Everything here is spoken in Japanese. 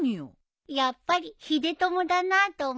やっぱり秀友だなと思って。